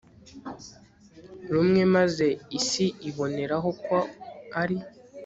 rumwe, maze isi ibonereho, ko ari